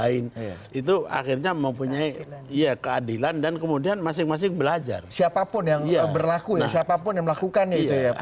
akarain itu akhirnya memiliki keadilan dan kemudian masing masing belajar sisi apa produknya berlaku k managing